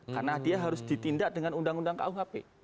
karena dia harus ditindak dengan undang undang kuhp